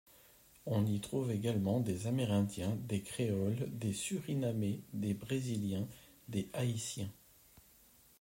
On y trouve également des Amérindiens, des Créoles, des Surinamais, des Brésiliens, des Haïtiens.